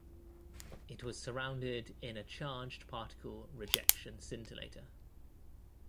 It was surrounded in a charged particle rejection scintillator.